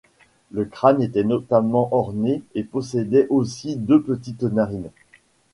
Le crâne était notamment orné et possédait aussi deux petites narines.